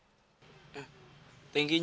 aku mau ke tempat yang lebih baik